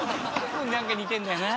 何か似てんだよな。